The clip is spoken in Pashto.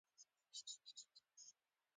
دا ښايي په هغه هوا کې